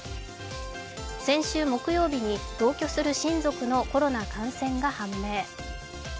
先週木曜日に同居する親族のコロナ感染が判明。